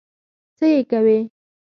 څه يې کوې؟